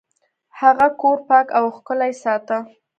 هغه کور پاک او ښکلی ساته.